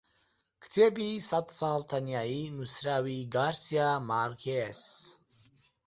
کتێبی سەد ساڵ تەنیایی نووسراوی گارسیا مارکێز